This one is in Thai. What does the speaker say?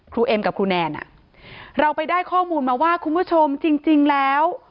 เอ็มกับครูแนนอ่ะเราไปได้ข้อมูลมาว่าคุณผู้ชมจริงแล้ว